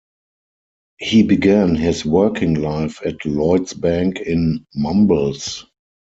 He began his working life at Lloyds Bank in Mumbles.